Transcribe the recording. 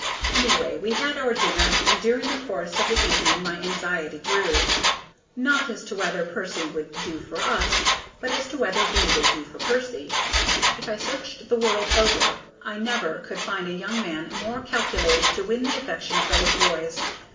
Anyway, we had our dinner. And during the course of the evening my anxiety grew, not as to whether Percy would do for us, but as to whether we should do for Percy. If I searched the world over, I never could find a young man more calculated to win the affection of those boys.